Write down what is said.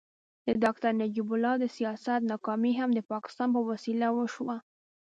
د ډاکټر نجیب الله د سیاست ناکامي هم د پاکستان په وسیله وشوه.